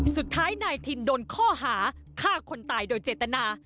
สุดท้ายนายทินโดนข้อหาฆ่าคนตายโดยเจตนา